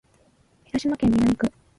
広島市南区